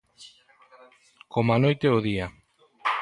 Coma a noite e o día!